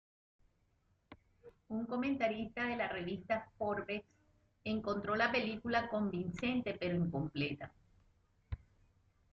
Un comentarista de la revista "Forbes" encontró la película convincente pero incompleta.